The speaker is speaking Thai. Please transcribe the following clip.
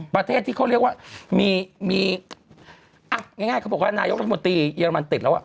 ประเทศที่เขาเรียกว่ามีอ่ะง่ายเขาบอกว่านายกรัฐมนตรีเยอรมันติดแล้วอ่ะ